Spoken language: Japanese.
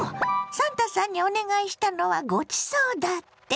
サンタさんにお願いしたのは「ごちそう」だって？